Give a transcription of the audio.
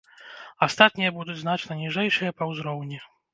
Астатнія будуць значна ніжэйшыя па узроўні.